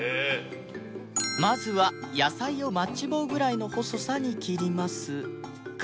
まずは野菜をマッチ棒ぐらいの細さに切りますが